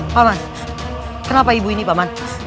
paman kenapa ibu ini paman